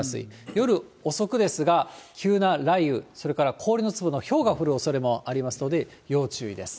夜遅くですが、急な雷雨、それから氷の粒のひょうが降るおそれもありますので、要注意です。